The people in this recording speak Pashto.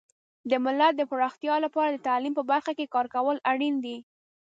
د ملت د پراختیا لپاره د تعلیم په برخه کې کار کول اړین دي.